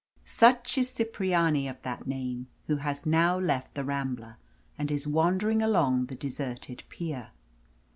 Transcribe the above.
Such is Cipriani of that name, who has now left the Rambla and is wandering along the deserted pier.